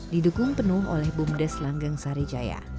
didukung penuh oleh bumdes langgeng sari jaya